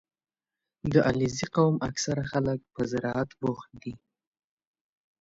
• د علیزي قوم اکثره خلک په زراعت بوخت دي.